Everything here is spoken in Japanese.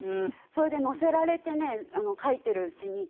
それで乗せられてね書いてるうちにっていう。